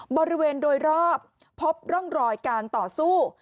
บริเวณโดยรอบพบร่องรอยการต่อสู้